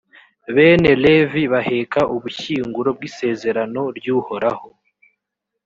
bene levi baheka ubushyinguro bw’isezerano ry’uhoraho;